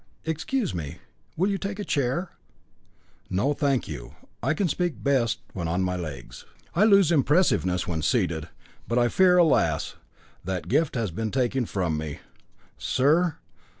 "Excuse me, will you take a chair?" "No, thank you; I can speak best when on my legs. I lose impressiveness when seated. But I fear, alas! that gift has been taken from me. Sir!